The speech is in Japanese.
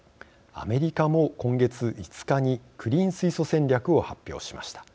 アメリカも今月５日にクリーン水素戦略を発表しました。